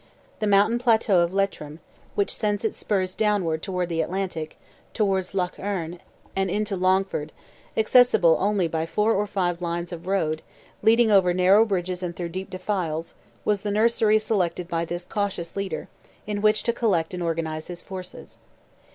The mountain plateau of Leitrim, which sends its spurs downwards to the Atlantic, towards Lough Erne, and into Longford, accessible only by four or five lines of road, leading over narrow bridges and through deep defiles, was the nursery selected by this cautious leader, in which to collect and organize his forces.